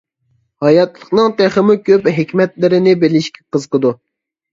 ھاياتلىقنىڭ تېخىمۇ كۆپ ھېكمەتلىرىنى بىلىشكە قىزىقىدۇ.